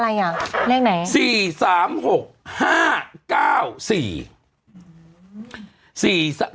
อะไรอ่ะเลขไหน๔๓๖๕๙๔